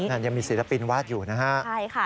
นั่นยังมีศิลปินวาดอยู่นะฮะใช่ค่ะ